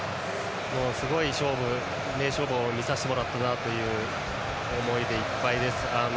すごい名勝負を見させてもらったなという思いでいっぱいです。